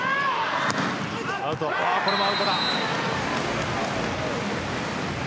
これもアウトだ。